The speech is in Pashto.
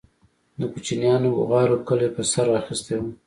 د كوچنيانو بوغارو كلى په سر اخيستى و.